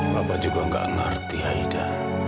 bapak juga gak ngerti aida